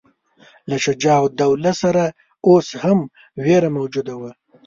له شجاع الدوله سره اوس هم وېره موجوده وه.